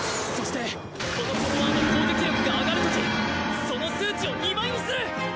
そしてこのフォロワーの攻撃力が上がるときその数値を２倍にする！